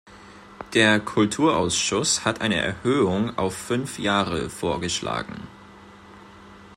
Der Kulturausschuss hat eine Erhöhung auf fünf Jahre vorgeschlagen.